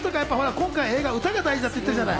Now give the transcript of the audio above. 今回、歌が大事だって言ってたじゃない。